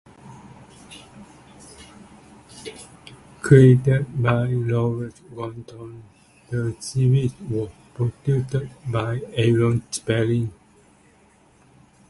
Created by Lawrence Gordon, the series was produced by Aaron Spelling.